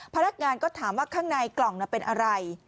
พนักงานก็ถามว่าข้างในกล่องเป็นอะไร